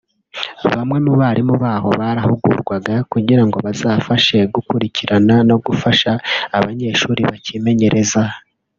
bamwe mu barimu baho barahugurwaga kugira ngo bazafashe gukurikirana no gufasha abanyeshuri bimenyereza